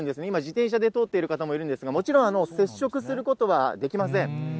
今、自転車で通っている方もいるんですが、もちろん接触することはできません。